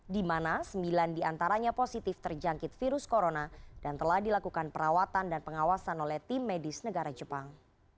di mana sembilan diantaranya positif terjangkit virus corona dan telah dilakukan perawatan dan pengawasan oleh tim medis negara jepang